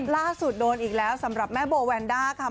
ล่าสุดโดนอีกแล้วสำหรับแม่โบแวนด้าค่ะ